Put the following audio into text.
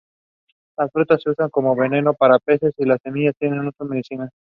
Its main entrance originally had eight small domes but now there are only five.